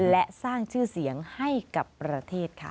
และสร้างชื่อเสียงให้กับประเทศค่ะ